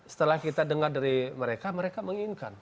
setelah kita dengar dari mereka mereka menginginkan